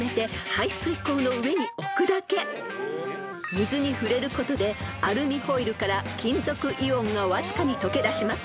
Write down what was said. ［水に触れることでアルミホイルから金属イオンがわずかにとけだします］